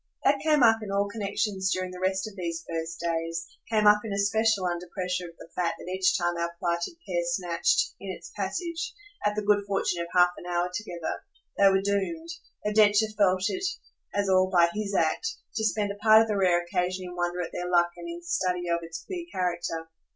That came up in all connexions during the rest of these first days; came up in especial under pressure of the fact that each time our plighted pair snatched, in its passage, at the good fortune of half an hour together, they were doomed though Densher felt it as all by HIS act to spend a part of the rare occasion in wonder at their luck and in study of its queer character.